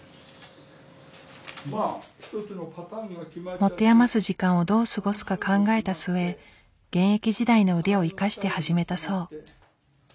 持て余す時間をどう過ごすか考えた末現役時代の腕を生かして始めたそう。